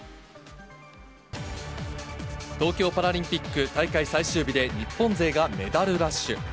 東京パラリンピック大会最終日で、日本勢がメダルラッシュ。